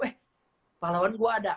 eh pahlawan gue ada